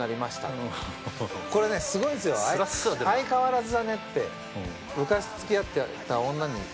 「『相変わらずだね』って昔付き合ってた女にそう言われた」